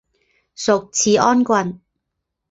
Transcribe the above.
属始安郡。